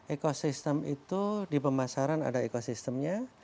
ekosistem itu di pemasaran ada ekosistemnya